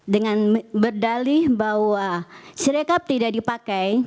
dengan berdalih bahwa sirekap tidak dipakai